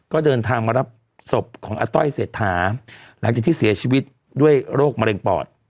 ก็เดินทางมารับศพของอาต้อยเศรษฐาหลังจากที่เสียชีวิตด้วยโรคมะเร็งปอด